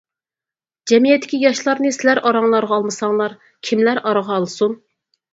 جەمئىيەتتىكى ياشلارنى سىلەر ئاراڭلارغا ئالمىساڭلار كىملەر ئارىغا ئالسۇن.